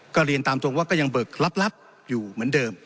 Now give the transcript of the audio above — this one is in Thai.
ก็เรียนตามตรงว่าก็ยังเบิกรับอยู่เหมือนเดิม